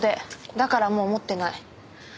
だからもう持ってない。